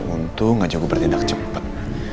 untung aja gue bertindak cepat